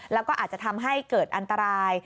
แล้วก็อาจจะทำให้เกิดอันตราย